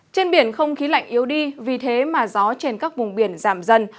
trên biển không khí lạnh yếu đi vì thế mà gió trên các vùng biển giảm dần